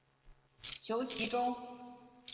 求其中